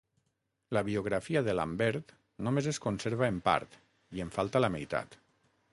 La biografia de Lambert només es conserva en part i en falta la meitat.